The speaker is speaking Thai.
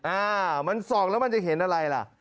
อ่ามันส่องแล้วมันจะเห็นอะไรล่ะ